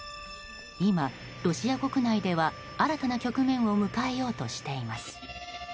今、ロシア国内では新たな局面を迎えようとしています。